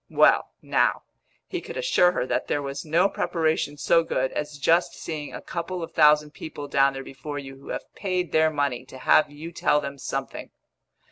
Well, now, he could assure her that there was no preparation so good as just seeing a couple of thousand people down there before you who have paid their money to have you tell them something.